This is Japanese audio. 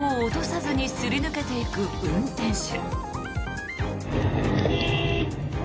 車の間をスピードを落とさずにすり抜けていく運転手。